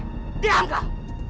saya masih merasa lemah